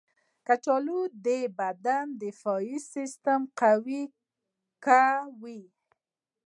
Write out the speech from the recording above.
کچالو د بدن دفاعي سیستم قوي کوي.